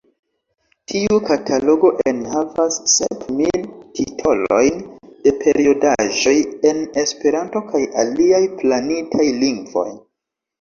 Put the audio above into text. Tiu katalogo enhavas sep mil titolojn de periodaĵoj en Esperanto kaj aliaj planitaj lingvoj.